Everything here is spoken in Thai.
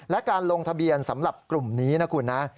และการลงทะเบียนสำหรับกลุ่มนี้นะคุณนะ